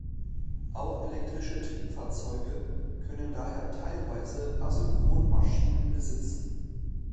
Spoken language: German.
Auch elektrische Triebfahrzeuge können daher teilweise Asynchronmaschinen besitzen.